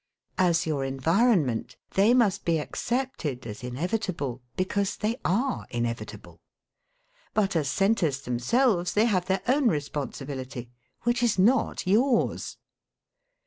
As your environment they must be accepted as inevitable, because they are inevitable. But as centres themselves they have their own responsibility: which is not yours.